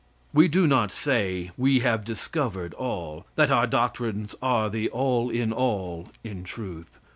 We do not say we have discovered all; that our doctrines are the all in all in truth.